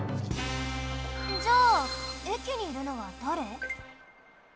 じゃあえきにいるのはだれ？